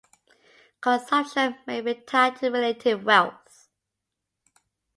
Consumption may be tied to relative wealth.